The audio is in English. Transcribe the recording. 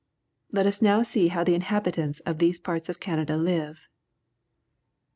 Let us now see how the uihabitants of these parts of Canada live.